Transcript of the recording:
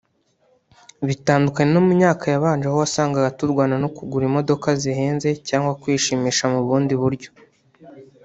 bitandukanye no mu myaka yabanje aho wasangaga turwana no kugura imodoka zihenze cyangwa kwishimisha mu bundi buryo